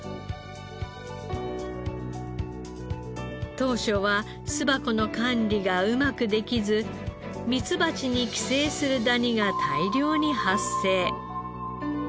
当初は巣箱の管理がうまくできずミツバチに寄生するダニが大量に発生。